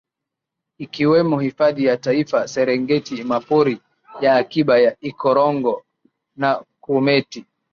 ikiwemo Hifadhi ya Taifa Serengeti Mapori ya Akiba ya Ikorongo na Grumeti